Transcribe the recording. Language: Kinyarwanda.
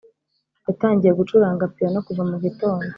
yatangiye gucuranga piyano kuva mu gitondo.